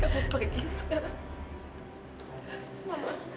kamu pergi sekarang